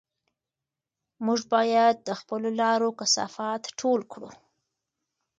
موږ باید د خپلو لارو کثافات ټول کړو.